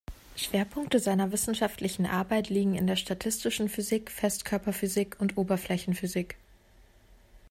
Schwerpunkte seiner wissenschaftlichen Arbeit liegen in der statistischen Physik, Festkörperphysik und Oberflächenphysik.